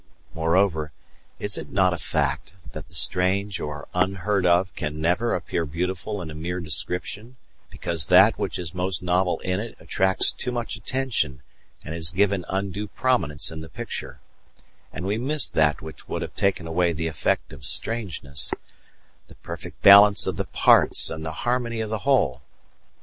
Moreover, is it not a fact that the strange or unheard of can never appear beautiful in a mere description, because that which is most novel in it attracts too much attention and is given undue prominence in the picture, and we miss that which would have taken away the effect of strangeness the perfect balance of the parts and harmony of the whole?